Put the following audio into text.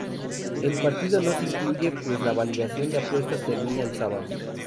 El partido no se incluye, pues la validación de apuestas termina el sábado.